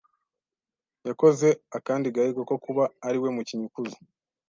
yakoze akandi gahigo ko kuba ariwe mukinnyi ukuze